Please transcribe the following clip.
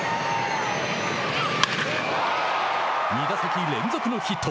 ２打席連続のヒット。